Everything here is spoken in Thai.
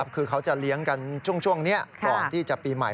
คือเขาจะเลี้ยงกันช่วงนี้ก่อนที่จะปีใหม่